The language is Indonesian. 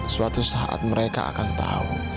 suatu saat mereka akan tahu